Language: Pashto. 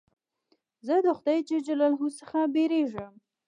زه د خدای جل جلاله څخه بېرېږم.